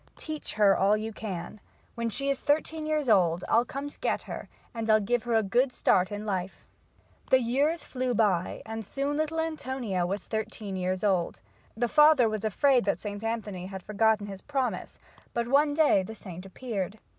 Teach her all you can. When she is thirteen years old I'll come to get her and I'll give her a good start in life." The years flew by and soon little Antonia was thirteen years old. The father was afraid that St. Anthony had forgotten his promise, but one day the saint appeared.